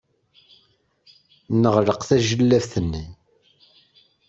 Neɣleq tajellabt-nni.